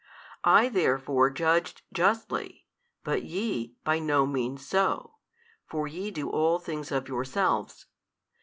I therefore judged justly, but ye by no means so, for ye do all things of yourselves.